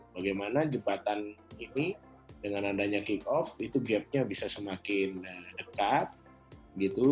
bagaimana jembatan ini dengan adanya kick off itu gapnya bisa semakin dekat gitu